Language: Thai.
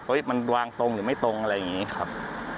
มันวางตรงหรือไม่ตรงอะไรอย่างนี้ครับ